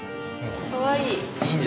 かわいい。